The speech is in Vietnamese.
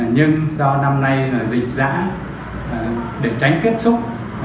nhưng do năm nay là dịch giã để tránh kết xúc